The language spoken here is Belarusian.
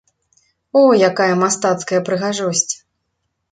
О, якая мастацкая прыгажосць!